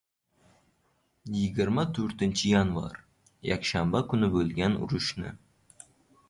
— Yigirma to‘rtinchi yanvar, yakshanba kuni bo‘lgan urushni.